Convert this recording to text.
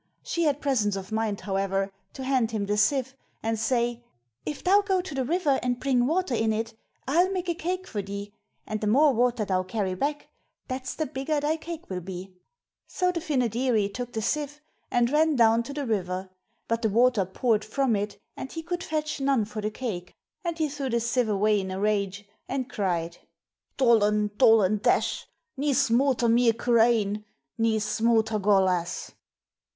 She had presence of mind, however, to hand him the sieve and say: 'If thou go to the river and bring water in it, I'll make a cake for thee; and the more water thou carry back, that's the bigger thy cake will be.' So the Fynoderee took the sieve, and ran down to the river; but the water poured from it and he could fetch none for the cake, and he threw the sieve away in a rage, and cried: 'Dollan, dollan, dash! Ny smoo ta mee cur ayn, Ny smoo ta goll ass.'